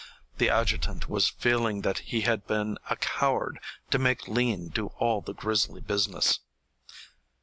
The adjutant was feeling that he had been a coward to make Lean do all the grisly business.